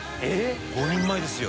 ５人前ですよ。